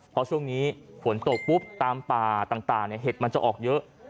พอช่วงนี้ฝนตกปุ๊บตามป่าต่างเห็ดมันจะออกเยอะ